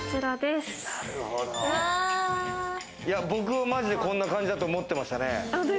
僕、マジでこんな感じだと思ってましたね。